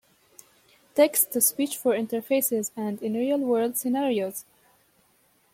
Text to speech for interfaces and in real-world scenarios.